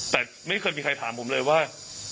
แต่ไม่เคยมีใครถามผมเลยว่า